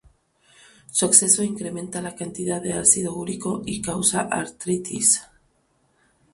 Su exceso incrementa la cantidad de ácido úrico y causa artritis.